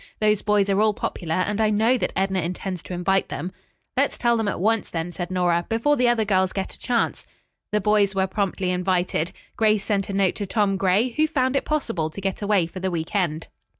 Those boys are all popular, and I know that Edna intends to invite them." "Let's tell them at once, then," said Nora, "before the other girls get a chance." The boys were promptly invited. Grace sent a note to Tom Gray, who found it possible to get away for the week end.